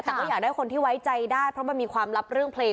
แต่ก็อยากได้คนที่ไว้ใจได้เพราะมันมีความลับเรื่องเพลง